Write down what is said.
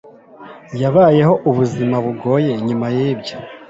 yabayeho ubuzima bugoye nyuma yibyo